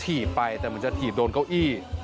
ถีบไปแต่เหมือนจะถีบโดนเก้าอี้